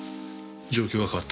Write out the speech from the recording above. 状況が変わった。